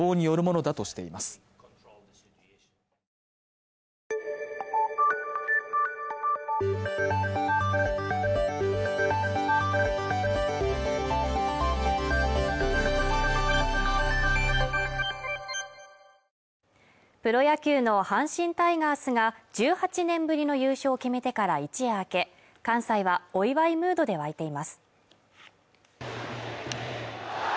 ゼレンスキー氏の訪米について関係者はプロ野球の阪神タイガースが１８年ぶりの優勝を決めてから一夜明け関西はお祝いムードで沸いています